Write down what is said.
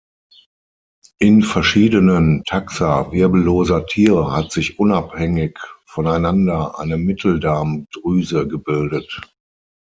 In verschiedenen Taxa wirbelloser Tiere hat sich unabhängig voneinander eine Mitteldarmdrüse gebildet.